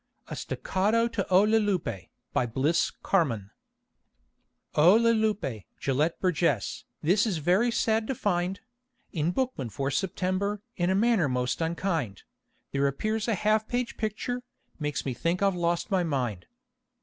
_" A STACCATO TO O LE LUPE BY BLISS CARMAN O Le Lupe, Gelett Burgess, this is very sad to find: In The Bookman for September, in a manner most unkind, There appears a half page picture, makes me think I've lost my mind.